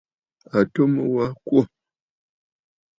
Àtu mu wa a kwô.